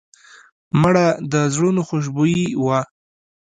مړه د زړونو خوشبويي وه